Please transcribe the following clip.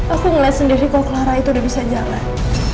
aku ngeliat sendiri kok clara itu udah bisa jalan